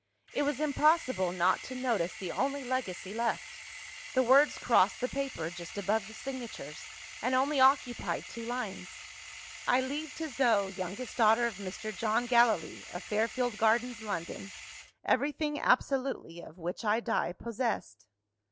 It was impossible not to notice the only legacy left; the words crossed the paper, just above the signatures, and only occupied two lines: "I leave to Zoe, youngest daughter of Mr. John Gallilee, of Fairfield Gardens, London, everything absolutely of which I die possessed."